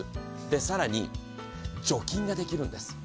更に除菌ができるんです。